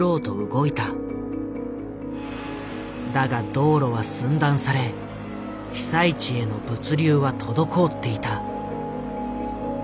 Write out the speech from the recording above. だが道路は寸断され被災地への物流は滞っていた。